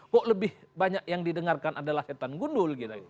kok lebih banyak yang didengarkan adalah setan gundul